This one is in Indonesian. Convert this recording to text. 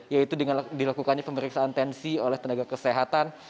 yaitu dengan dilakukannya pemeriksaan tensi oleh tenaga kesehatan